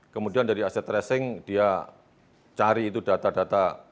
kemudian dari aset tracing dia cari itu data data